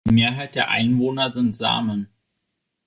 Die Mehrheit der Einwohner sind Samen.